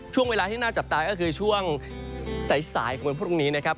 ช่วงเวลาที่น่าจับตาก็คือช่วงสายของวันพรุ่งนี้นะครับ